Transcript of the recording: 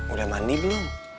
udah mandi belum